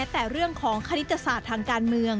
แต่เรื่องของคณิตศาสตร์ทางการเมือง